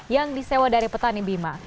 yang disewa dari petani bima